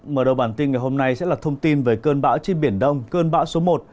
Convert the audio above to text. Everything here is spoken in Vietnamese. mở đầu bản tin ngày hôm nay sẽ là thông tin về cơn bão trên biển đông cơn bão số một